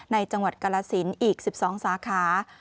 ในจังหวัดกรสินอีก๑๒สาขา